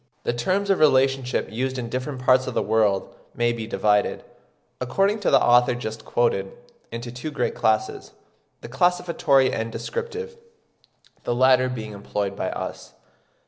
The terms of relationship used in different parts of the world may be divided, according to the author just quoted, into two great classes, the classificatory and descriptive, the latter being employed by us.